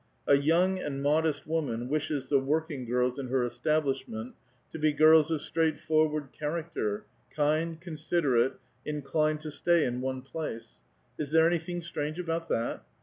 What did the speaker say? A young and modest woman wishes the working girls in her establishment to be girls of straightforward character, kind, considerate, inclined to stay in one place; is there anything strange about that?